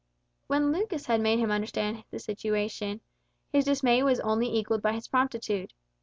When Lucas had made him understand the situation, his dismay was only equalled by his promptitude.